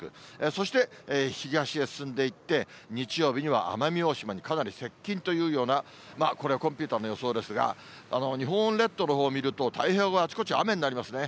そして東へ進んでいって、日曜日には奄美大島にかなり接近というような、これ、コンピューターの予想ですが、日本列島のほうを見ると、太平洋側、あちこち雨になりますね。